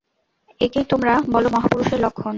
একেই তোমরা বল মহাপুরুষের লক্ষণ!